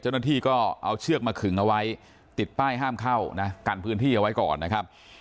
เจ้าหน้าที่ก็เอาเชือกมาขึงเอาไว้ติดป้ายห้ามเข้านะกันพื้นที่เอาไว้ก่อนนะครับ